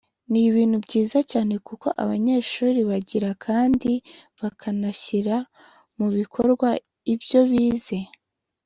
(…) ni ibintu byiza cyane kuko abanyeshuri bariga kandi bakanashyira mu bikorwa ibyo bize